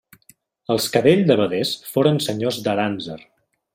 Els Cadell de Beders foren senyors d'Arànser.